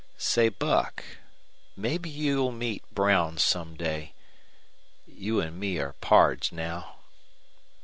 Say, Buck, mebbe you'll meet Brown some day You an' me are pards now."